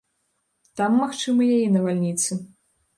Там магчымыя і навальніцы.